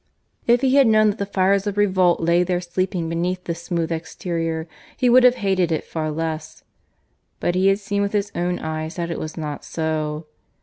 If he had known that the fires of revolt lay there sleeping beneath this smooth exterior he would have hated it far less; but he had seen with his own eyes that it was not so.